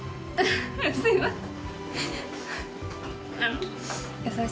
すいません。